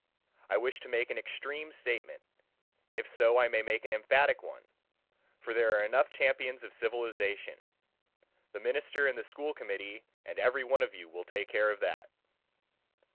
I wish to make an extreme statement, if so I may make an emphatic one, for there are enough champions of civilization: the minister and the school committee and every one of you will take care of that.